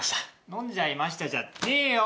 「飲んじゃいました」じゃねえよ！